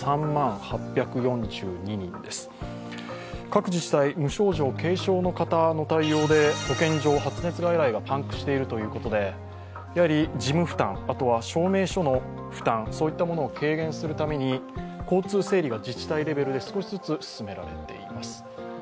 各自治体、無症状、軽症の方の対応で保健所、発熱外来がパンクしているということで事務負担、あとは証明書の負担そういうものを軽減するために交通整理が自治体レベルで少しずつ進められています。